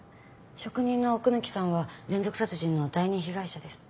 職人の奥貫さんは連続殺人の第２被害者です。